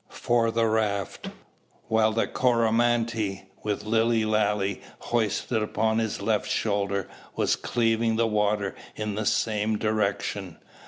for the raft; while the Coromantee, with Lilly Lalee hoisted upon his left shoulder, was cleaving the water in the same direction.